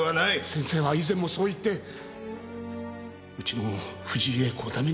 先生は以前もそう言ってうちの藤井詠子をダメにして。